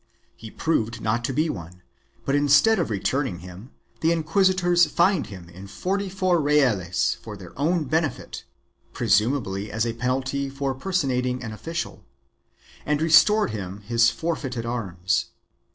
He proved not to be one, but, instead of returning him, the inquisitors fined him in forty four reales for their own benefit (presumably as a penalty for personating an official) and restored to him his forfeited arms.